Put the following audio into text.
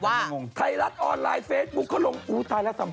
ว่านายงงไทยลักษณ์ออนไลน์เฟซบุคเขาน้องอู๊ตายแล้วซำ